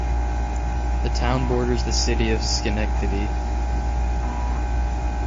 The town borders the city of Schenectady.